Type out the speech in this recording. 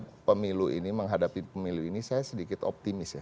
karena pemilu ini menghadapi pemilu ini saya sedikit optimis ya